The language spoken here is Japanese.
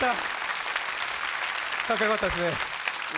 かっこよかったですね。